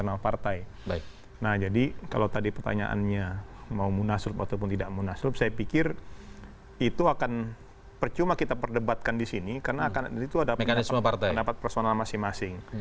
nah jadi kalau tadi pertanyaannya mau munaslup ataupun tidak munaslup saya pikir itu akan percuma kita perdebatkan di sini karena akan itu ada pendapat personal masing masing